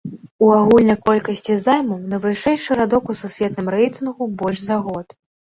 У агульнай колькасці займаў найвышэйшы радок у сусветным рэйтынгу больш за год.